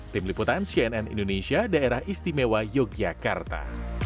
tim liputan cnn indonesia daerah istimewa yogyakarta